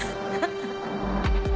ハハハ。